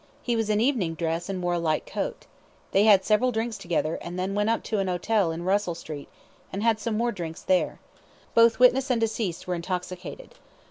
He was in evening dress, and wore a light coat. They had several drinks together, and then went up to an hotel in Russell Street, and had some more drinks there. Both witness and deceased were intoxicated.